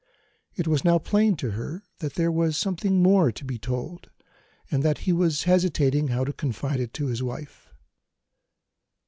It was now plain to her that there was something more to be told and that he was hesitating how to confide it to his wife.